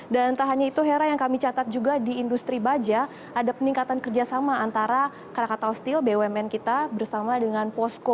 dan entah hanya itu hera yang kami catat juga di industri baja ada peningkatan kerjasama antara krakatau steel bumn kita bersama dengan posco